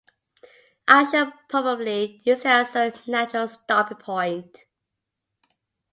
I should probably use it as a natural stopping point.